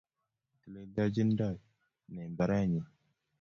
Teleltochindoi née mbarenyii?